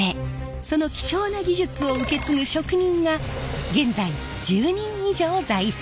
その貴重な技術を受け継ぐ職人が現在１０人以上在籍。